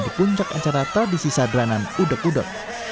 berkuncak acara tradisi sadranan udeg udeg